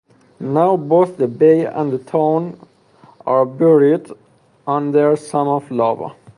Now both the bay and the town are buried under some of lava.